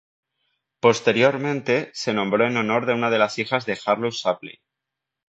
Posteriormente, se nombró en honor de una de las hijas de Harlow Shapley.